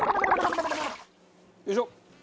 よいしょ！